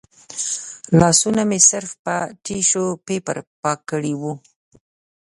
لاسونه مې صرف په ټیشو پیپر پاک کړي و.